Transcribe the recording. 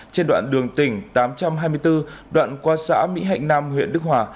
trên đoạn đường tỉnh tám trăm hai mươi bốn đoạn qua xã mỹ hạnh nam huyện đức hòa